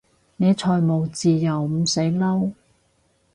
你財務自由唔使撈？